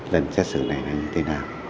lần xét xử này là như thế nào